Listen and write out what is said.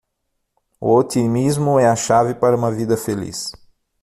O otimismo é a chave para uma vida feliz.